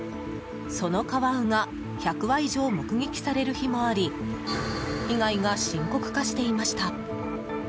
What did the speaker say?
そのカワウが１００羽以上目撃される日もあり被害が深刻化していました。